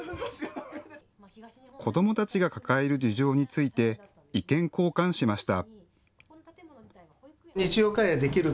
子どもたちが抱える事情について意見交換しました。